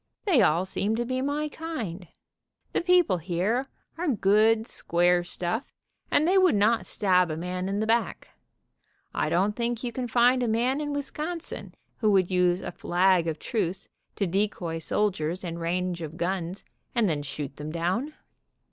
They all seem lo be my kind. The people here are good, square stuff, and they would not stab a man in the back. I don't think you 'can find a man in Wisconsin who would use a flag of truce to decoy soldiers in range of guns, and then shoot them down.